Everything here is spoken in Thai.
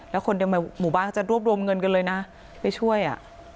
แล้วคนในหมู่บ้านเขาจะรวบรวมเงินกันเลยนะไปช่วยอ่ะ